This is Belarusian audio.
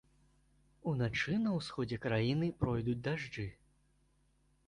Уначы на ўсходзе краіны пройдуць дажджы.